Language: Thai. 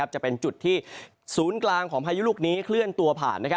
จะเป็นจุดที่ศูนย์กลางของพายุลูกนี้เคลื่อนตัวผ่าน